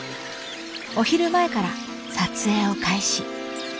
お昼前から撮影を開始。